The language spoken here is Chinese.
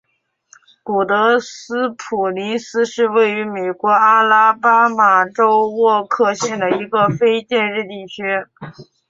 古德斯普林斯是位于美国阿拉巴马州沃克县的一个非建制地区。